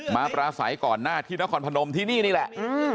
ปราศัยก่อนหน้าที่นครพนมที่นี่นี่แหละ